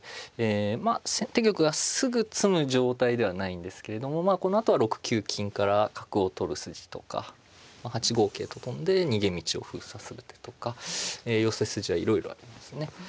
まあ先手玉がすぐ詰む状態ではないんですけれどもまあこのあとは６九金から角を取る筋とか８五桂と跳んで逃げ道を封鎖する手とか寄せ筋はいろいろありますね。